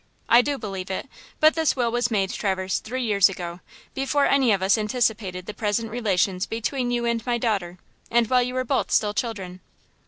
"I do believe it; but this will was made, Traverse, three years ago, before any of us anticipated the present relations between you and my daughter, and while you were both still children.